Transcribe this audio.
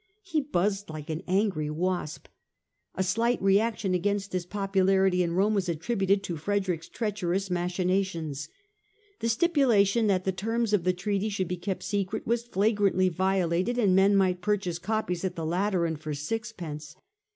He buzzed like an angry wasp. A slight reaction against his popu larity in Rome was attributed to Frederick's treacherous machinations. The stipulation that the terms of the treaty should be kept secret was flagrantly violated and men might purchase copies at the Lateran for six pence.